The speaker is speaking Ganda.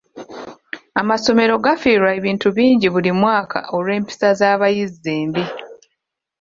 Amasomero gafiirwa ebintu bingi buli mwaka olw'empisa z'abayizi embi.